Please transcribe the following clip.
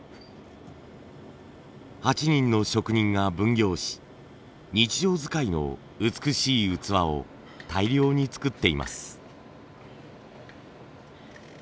８人の職人が分業し日常使いの美しい器を大量に作っています。